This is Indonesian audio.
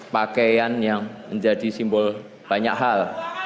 pak jokowi pakaian yang menjadi simbol banyak hal